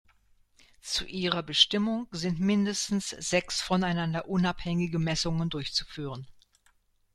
Zu ihrer Bestimmung sind mindestens sechs voneinander unabhängige Messungen durchzuführen.